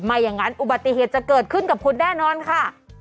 อย่างนั้นอุบัติเหตุจะเกิดขึ้นกับคุณแน่นอนค่ะ